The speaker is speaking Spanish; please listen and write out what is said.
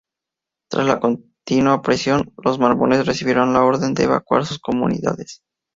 Tras la continua presión, los mormones recibieron la orden de evacuar sus comunidades.